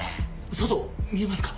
外見えますか？